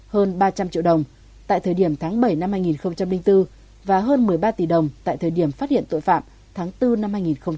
hơn ba trăm linh triệu đồng tại thời điểm tháng bảy năm hai nghìn bốn và hơn một mươi ba tỷ đồng tại thời điểm phát hiện tội phạm tháng bốn năm hai nghìn một mươi chín